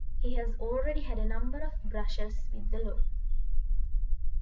He has already had a number of brushes with the law.